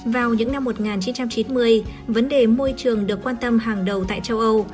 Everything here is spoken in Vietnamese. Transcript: vào những năm một nghìn chín trăm chín mươi vấn đề môi trường được quan tâm hàng đầu tại châu âu